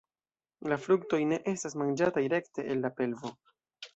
La fruktoj ne estas manĝataj rekte el la pelvo.